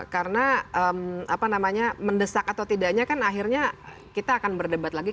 karena apa namanya mendesak atau tidaknya kan akhirnya kita akan berdebat lagi